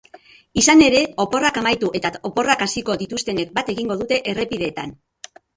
Izan ere, oporrak amaitu eta oporrak hasiko dituztenek bat egingo dute errepideetan.